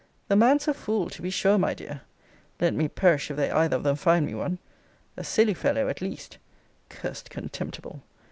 'The man's a fool, to be sure, my dear.' Let me perish, if they either of them find me one! 'A silly fellow, at least.' Cursed contemptible!